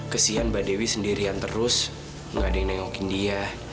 kesian mbak dewi sendirian terus nggak ada yang nengokin dia